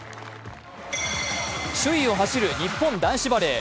首位を走る日本男子バレー。